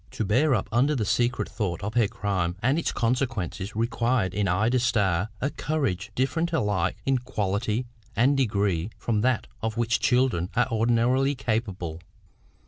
To bear up under the secret thought of her crime and its consequences required in Ida Starr a courage different alike in quality and degree from that of which children are ordinarily capable.